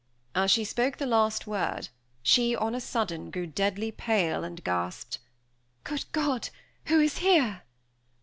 As she spoke the last word, she, on a sudden, grew deadly pale, and gasped, "Good God! who is here?"